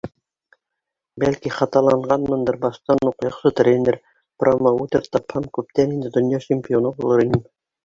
Бәлки, хаталанғанмындыр, баштан уҡ яҡшы тренер, промоутер тапһам, күптән инде донъя чемпионы булыр инем.